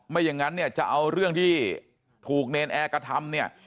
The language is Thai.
อย่างนั้นเนี่ยจะเอาเรื่องที่ถูกเนรนแอร์กระทำเนี่ย